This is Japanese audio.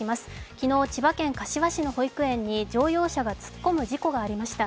昨日、千葉県柏市の保育園に乗用車が突っ込む事故がありました。